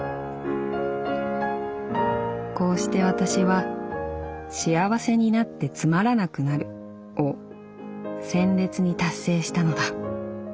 「こうして私は『幸せになってつまらなくなる』を鮮烈に達成したのだ。